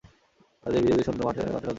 কাজেই ভিজে ভিজে নূতন মঠে যেতে হবে।